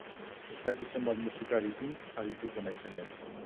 Ez dakit zenbat musikarirekin arituko naizen ere.